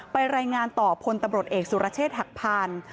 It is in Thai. รายงานต่อพลตำรวจเอกสุรเชษฐ์หักพาน